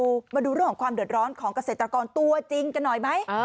มาดูเรื่องของความเดือดร้อนของเกษตรกรตัวจริงกันหน่อยไหม